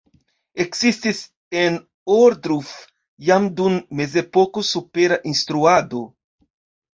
Ekzistis en Ohrdruf jam dum Mezepoko supera instruado.